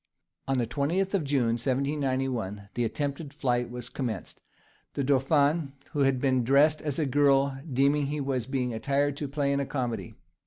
On the 20th of June, 1791, the attempted flight was commenced, the dauphin, who had been dressed as a girl, deeming he was being attired to play in a comedy.